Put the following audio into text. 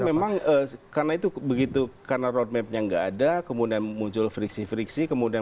memang karena itu begitu karena roadmapnya nggak ada kemudian muncul friksi friksi kemudian